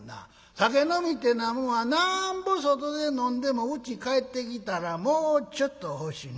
酒飲みってえのはもうなんぼ外で飲んでもうち帰ってきたらもうちょっと欲しい。